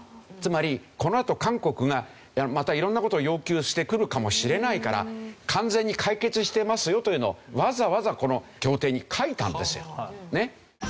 つまりこのあと韓国がまた色んな事を要求してくるかもしれないから完全に解決してますよというのをわざわざこの協定に書いたんですよ。